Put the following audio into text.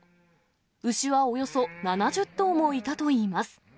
牛はおよそ７０頭もいたといいます。